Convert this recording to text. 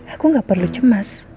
aku gak perlu cemas